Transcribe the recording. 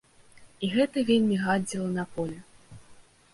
І гэта вельмі гадзіла на поле.